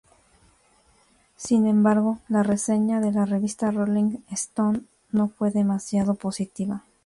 Sin embargo, la reseña de la revista "Rolling Stone" no fue demasiado positiva.